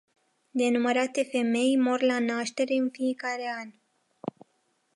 Nenumărate femei mor la naștere în fiecare an.